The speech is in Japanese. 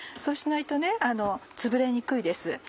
そうしないとつぶれにくいです。